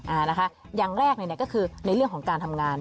อ่านะคะอย่างแรกเลยเนี่ยก็คือในเรื่องของการทำงาน